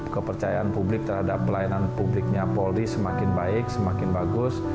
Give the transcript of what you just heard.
kepercayaan publik terhadap pelayanan publiknya polri semakin baik semakin bagus